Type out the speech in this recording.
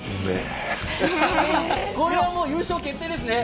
これはもう優勝決定ですね。